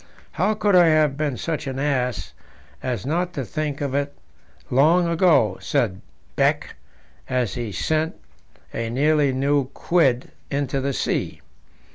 "How could I have been such an ass as not to think of it long ago?" said Beck, as he sent a nearly new quid into the sea.